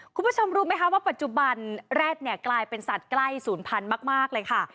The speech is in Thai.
คุณผู้ชมรู้ไหมคะว่าปัจจุบันแร็ดเนี่ยกลายเป็นสัตว์ใกล้ศูนย์พันธุ์มากเลยค่ะ